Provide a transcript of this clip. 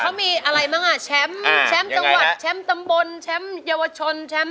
เขามีอะไรมั้งอะแชมป์แชมป์ตำวัดแชมป์ตำบลแชมป์เยาวชน